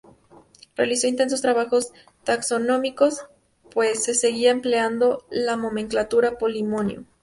Realizó intensos trabajos taxonómicos, pues se seguía empleando la nomenclatura polinomio.